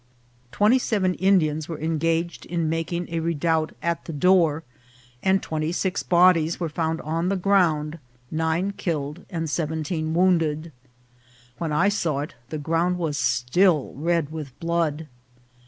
Twenty seven Indians were engaged in making a redoubt at the door, and twenty six bodies were found on the ground, nine killed and seven teen wounded. When I saw it the ground was still red with blood.